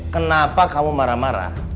kenapa kamu marah marah